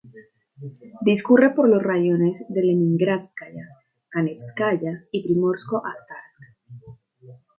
Discurre por los raiones de Leningrádskaya, Kanevskaya y Primorsko-Ajtarsk.